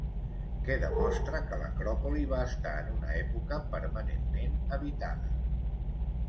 Què demostra que l'Acròpoli va estar en una època permanentment habitada?